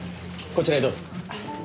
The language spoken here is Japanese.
こちらへどうぞ。